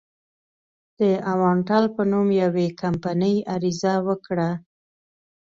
د اوانټل په نوم یوې کمپنۍ عریضه وکړه.